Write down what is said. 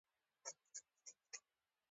پاچا پر وړاندې خلک خپل غږ نه پورته کوي .